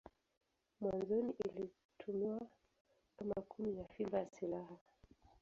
Mwanzoni ilitumiwa kama kuni na fimbo ya silaha.